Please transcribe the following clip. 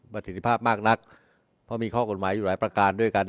สิทธิภาพมากนักเพราะมีข้อกฎหมายอยู่หลายประการด้วยกัน